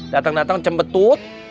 datang datang cembetut